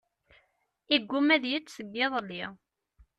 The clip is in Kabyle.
Iguma ad yečč seg iḍelli.